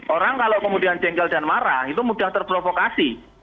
orang kalau kemudian jengkel dan marah itu mudah terprovokasi